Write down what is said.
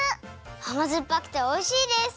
あまずっぱくておいしいです！